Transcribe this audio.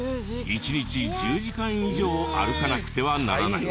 １日１０時間以上歩かなくてはならない。